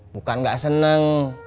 bukan gak seneng